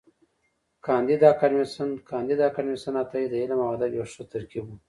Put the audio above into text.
کانديد اکاډميسن کانديد اکاډميسن عطایي د علم او ادب یو ښه ترکیب و.